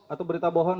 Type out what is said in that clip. atau berita bohon